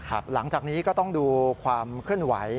หลังจากนี้ก็ต้องดูความเคลื่อนไหว